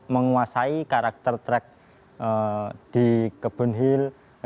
menguasai karakter track di kebun hill